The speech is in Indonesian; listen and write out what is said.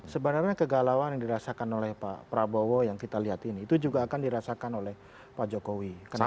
sebenarnya kegalauan yang dirasakan oleh pak prabowo yang kita lihat ini itu juga akan dirasakan oleh pak jokowi